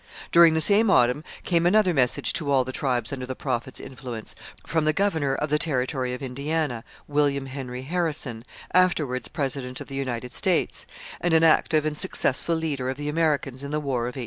During the same autumn came another message to all the tribes under the Prophet's influence from the governor of the territory of Indiana, William Henry Harrison, afterwards president of the United States, and an active and successful leader of the Americans in the War of 1812.